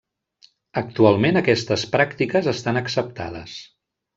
Actualment aquestes pràctiques estan acceptades.